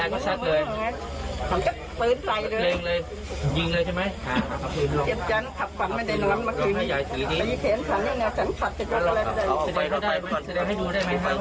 อันนี้ก็มีแผนลูกอาวุธ